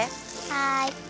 はい！